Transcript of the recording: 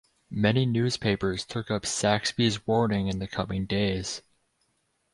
Many newspapers took up Saxby's warning in the coming days.